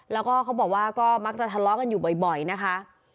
แล้วก็เขาบอกว่าก็มักจะทะเลาะกันอยู่บ่อยนะคะ